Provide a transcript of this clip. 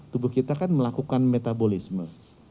tubuh kita kan melakukan metabolisme